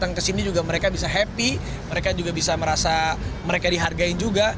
datang ke sini juga mereka bisa happy mereka juga bisa merasa mereka dihargai juga